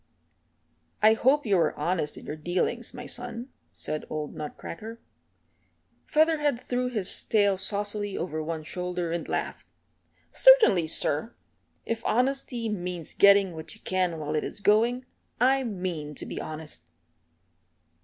"I hope you are honest in your dealings, my son," said old Nutcracker. Featherhead threw his tail saucily over one shoulder and laughed. "Certainly, sir, if honesty means getting what you can while it is going, I mean to be honest."